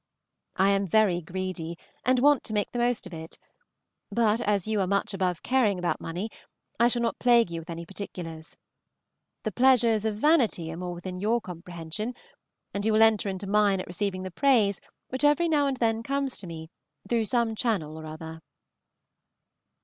I am very greedy and want to make the most of it; but as you are much above caring about money, I shall not plague you with any particulars. The pleasures of vanity are more within your comprehension, and you will enter into mine at receiving the praise which every now and then comes to me through some channel or other.